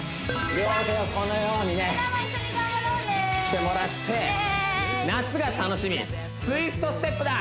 両手をこのようにねしてもらって夏が楽しみツイストステップだ！